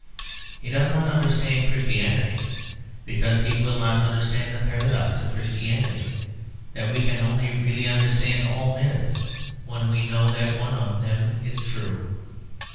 He does not understand Christianity because he will not understand the paradox of Christianity; that we can only really understand all myths when we know that one of them is true.